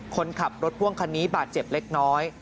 คนขับรถพ่วงคันนี้บาดเจ็บเล็กน้อย